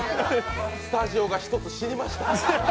スタジオが１つ死にました。